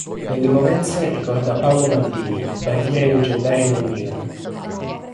Nelle movenze ricorda Paolo Maldini, bandiera leggendaria del Milan